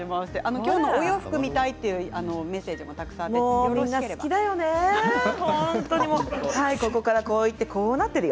今日のお洋服を見たいというメッセージがたくさんきています。